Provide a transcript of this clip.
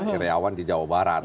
iryawan di jawa barat